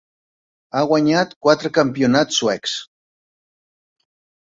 Ha guanyat quatre campionats suecs.